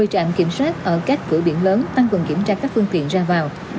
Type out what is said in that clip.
ba mươi trạm kiểm soát ở các cửa biển lớn tăng cường kiểm tra các phương tiện ra vào